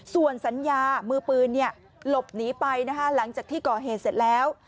ส่วนสัญญามือปืนหลบหนีไปนะคะหลังจากที่ก่อเหตุเสร็จแล้ว